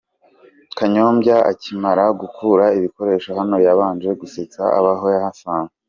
Kanyombya akimara kugura ibikoresho hano yabanje gusetsa abo yahasanze.